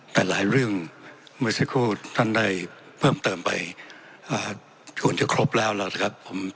แต่หลายเรื่องเมื่อสักครู่ท่านได้เพิ่มเติมไปควรจะครบแล้วแล้วนะครับ